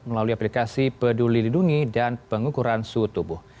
melalui aplikasi peduli lindungi dan pengukuran suhu tubuh